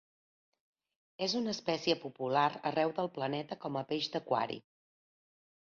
És una espècie popular arreu del planeta com a peix d'aquari.